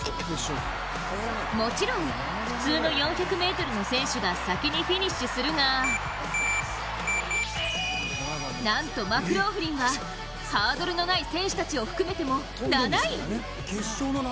もちろん普通の４００ｍの選手が先にフィニッシュするがなんとマクローフリンはハードルのない選手たちを含めても７位。